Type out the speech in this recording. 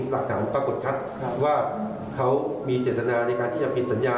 หลักฐานปรากฏชัดว่าเขามีเจตนาในการที่จะปิดสัญญา